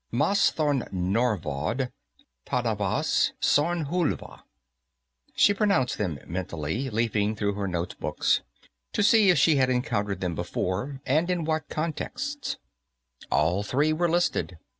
Mastharnorvod Tadavas Sornhulva. She pronounced them mentally, leafing through her notebooks to see if she had encountered them before, and in what contexts. All three were listed.